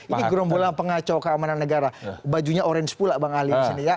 ini gerombolan pengacau keamanan negara bajunya orange pula bang ali